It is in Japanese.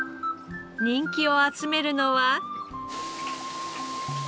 人気を集めるのは。